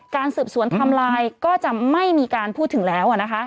การสืบสวนไทม์ไลน์ก็จะไม่มีการพูดถึงแล้ว